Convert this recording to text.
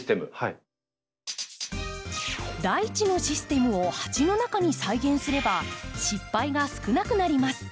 大地のシステムを鉢の中に再現すれば失敗が少なくなります。